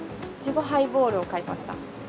苺ハイボールを買いました。